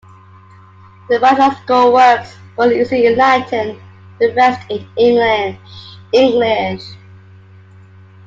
The biological works were usually in Latin, the rest in English.